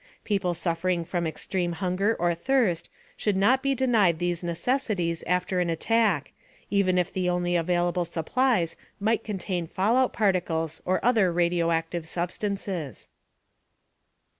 People suffering from extreme hunger or thirst should not be denied these necessities after an attack, even if the only available supplies might contain fallout particles or other radioactive substances.